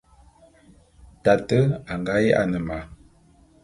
Tate a nga ya'ane ma.